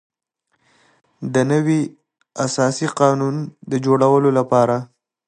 د نوي اساسي قانون د جوړولو لپاره.